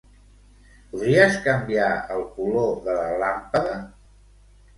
Podries canviar el color de la làmpada?